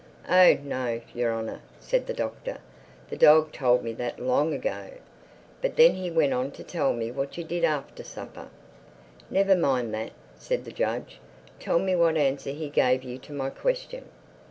"Oh no, Your Honor," said the Doctor. "The dog told me that long ago. But then he went on to tell me what you did after supper." "Never mind that," said the judge. "Tell me what answer he gave you to my question."